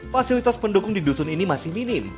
fasilitas pendukung di dusun ini masih minim